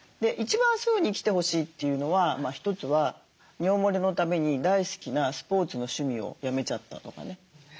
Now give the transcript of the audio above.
一番すぐに来てほしいというのは一つは尿もれのために大好きなスポーツの趣味をやめちゃったとかね。